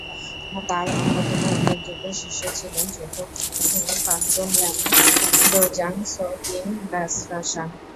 তার অন্যতম উল্লেখযোগ্য শিষ্য ছিলেন চতুর্থ পাঞ্চেন লামা ব্লো-ব্জাং-ছোস-ক্যি-র্গ্যাল-ম্ত্শান।